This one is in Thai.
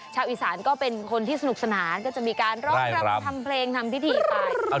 ชาวอีสานก็เป็นคนที่สนุกสนานก็จะมีการร้องรำทำเพลงทำพิธีไป